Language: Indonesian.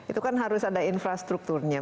itu kan harus ada infrastrukturnya